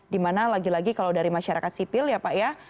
dimana lagi lagi kalau dari masyarakat sipil ya pak ya